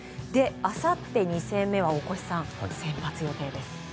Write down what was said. あさって２戦目は大越さん、先発予定です。